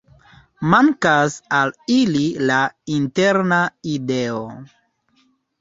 Mankas al ili la interna ideo.